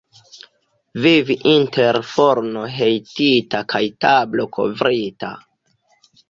Vivi inter forno hejtita kaj tablo kovrita.